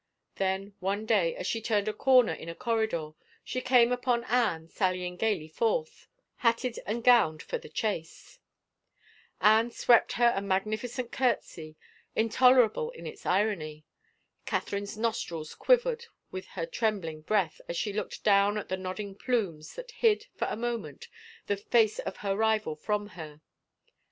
Then one day, as she turned a corner in a corridor, she came upon Anne sallying gayly forth, hatted and gowned for the chase. Anne swept her a magnificent courtesy intolerable in its irony. Catherine's nostrils quivered with her trem bling breath as she looked down at the nodding plumes that hid, for a moment, the face of her rival from her.